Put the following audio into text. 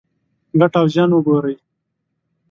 ګټه او زیان وګورئ.